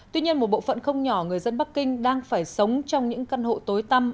tuy nhiên một bộ phận không nhỏ người dân bắc kinh đang phải sống trong những căn hộ tối tâm